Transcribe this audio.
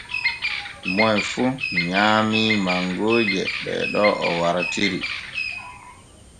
Moy fu nyaamii mangooje ɗee ɗo o wartiri.